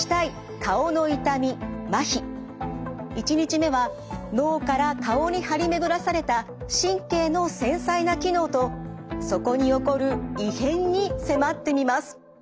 １日目は脳から顔に張り巡らされた神経の繊細な機能とそこに起こる異変に迫ってみます。